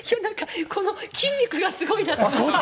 この筋肉がすごいなと思って。